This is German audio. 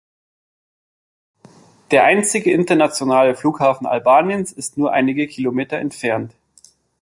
Der einzige internationale Flughafen Albaniens ist nur einige Kilometer entfernt.